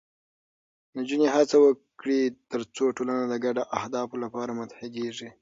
نجونې هڅه وکړي، ترڅو ټولنه د ګډو اهدافو لپاره متحدېږي.